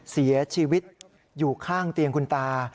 เสียชีวิตอยู่ข้างเตียงคุณตา